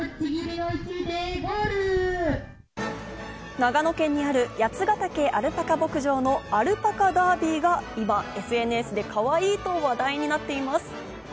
長野県にある八ヶ岳アルパカ牧場のアルパカダービーが今ＳＮＳでかわいいと話題になっています。